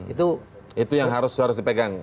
itu yang harus dipegang